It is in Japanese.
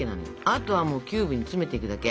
あとはキューブに詰めていくだけ。